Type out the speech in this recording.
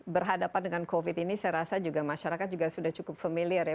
berhadapan dengan covid ini saya rasa juga masyarakat juga sudah cukup familiar ya